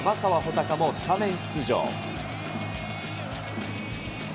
高もスタメン出場。